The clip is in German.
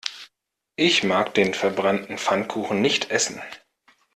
Ich mag den verbrannten Pfannkuchen nicht essen.